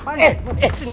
tunggu ya put